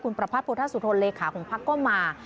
คุณประพัทธ์โพธาสุทธนเลยค่ะของภักษ์ก็มา